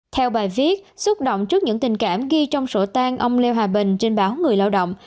theo bài viết xúc động trước những tình cảm ghi trong sổ tang ông lê hòa bình trên báo người lao động